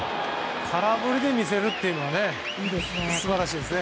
空振りで見せるというのは素晴らしいですね。